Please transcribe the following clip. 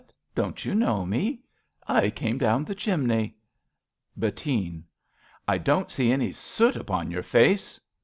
Don't you know me ? I came down the chimney. Bettine. I don't see any soot upon your face.